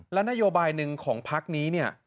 และนโยบายหนึ่งของพักนี้เนี่ย